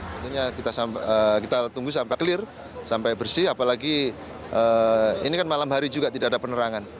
tentunya kita tunggu sampai clear sampai bersih apalagi ini kan malam hari juga tidak ada penerangan